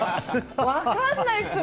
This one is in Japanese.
分からないっす。